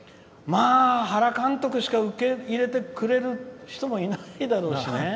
原監督しか受け入れてくれる人もいないだろうしね。